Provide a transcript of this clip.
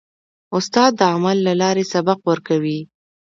استاد د عمل له لارې سبق ورکوي.